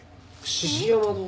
獅子山堂？